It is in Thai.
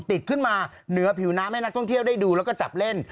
ติดขึ้นมาเหนือผิวน้ำให้นักท่องเที่ยวได้ดูแล้วก็จับเล่น